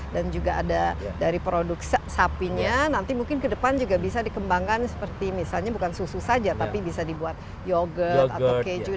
dan juga ada dari produk sapinya nanti mungkin ke depan juga bisa dikembangkan seperti misalnya bukan susu saja tapi bisa dibuat yogurt atau keju